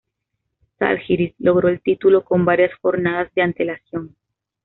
Žalgiris logró el título con varias jornadas de antelación.